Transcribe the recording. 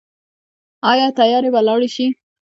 آیا تیارې به لاړې شي؟